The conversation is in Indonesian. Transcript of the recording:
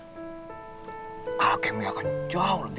a'ah sudah tidak ada lagi hubungan sama sopi